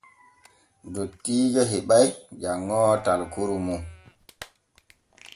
Dottiijo heɓay janŋoowo talkuru mum.